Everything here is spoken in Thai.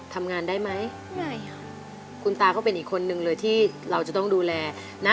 ทำงานได้ไหมไม่ค่ะคุณตาก็เป็นอีกคนนึงเลยที่เราจะต้องดูแลนะ